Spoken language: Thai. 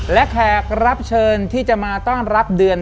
และแขกรับเชิญที่จะมาต้อนรับเดือน